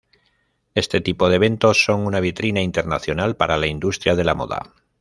Este tipo de eventos son una vitrina internacional para la industria de la moda.